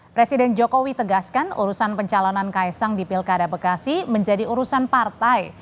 presiden jokowi tegaskan urusan pencalonan kaisang di pilkada bekasi menjadi urusan partai